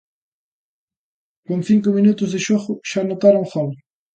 Con cinco minutos de xogo xa anotara un gol.